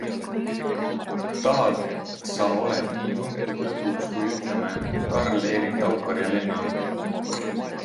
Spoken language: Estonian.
Tahad sa oled nii tuntud lõpuks kui ütleme...Karl-Erik Taukar ja Lenna?